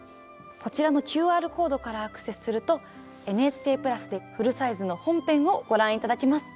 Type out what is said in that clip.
こちらのＱＲコードからアクセスすると「ＮＨＫプラス」でフルサイズの本編をご覧頂けます。